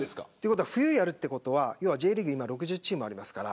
冬やるということはＪリーグは今６０チームもあります。